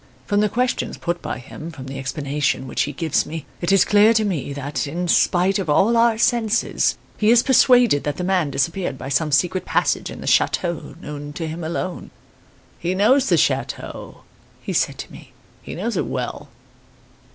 From the questions put by him, from the explanation which he gives me, it is clear to me that in spite of all our senses he is persuaded the man disappeared by some secret passage in the chateau known to him alone. "'He knows the chateau,' he said to me; 'he knows it well.